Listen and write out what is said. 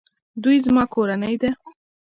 دوی زما کورنۍ ده